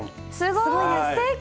すごいです！